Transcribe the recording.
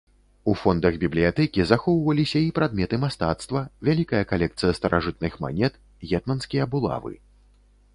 У фондах бібліятэкі захоўваліся і прадметы мастацтва, вялікая калекцыя старажытных манет, гетманскія булавы.